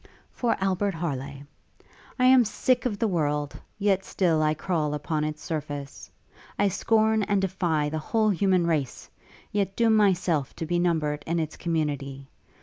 'For Albert Harleigh. 'I am sick of the world, yet still I crawl upon its surface. I scorn and defy the whole human race, yet doom myself to be numbered in its community.